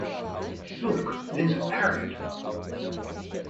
Look there's a parrot.